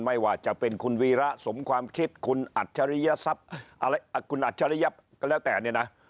ไม่ว่าจะเป็นคุณวีระสมความคิดคุณอัจฉริยับก็แล้วแต่เนี่ยนะ